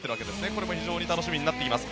これも非常に楽しみになっています。